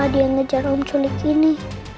ada yang ngejar om sulik ini